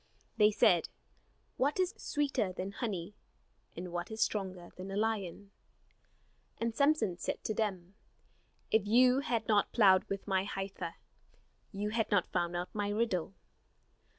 They said: "What is sweeter than honey? And what is stronger than a lion?" And Samson said to them: "If you had not plowed with my heifer, You had not found out my riddle."